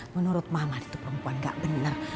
menurut mama itu perempuan gak benar